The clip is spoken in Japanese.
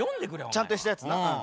ちゃんとしたやつな。